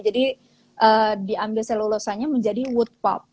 jadi diambil selulosanya menjadi wood pulp